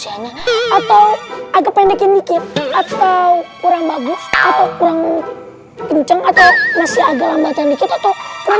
atau agak pendek ini kit atau kurang bagus atau kurang kenceng atau masih agak lambatan dikit atau